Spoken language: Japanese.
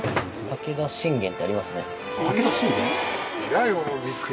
「武田信玄」ってありますね。